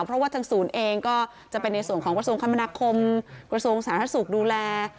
เพราะว่าทางศูนย์เองก็จะเป็นในส่วนของกระทรวงคมนาคมกระทรวงสาธารณสุขดูแล